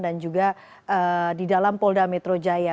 dan juga di dalam polda metro jaya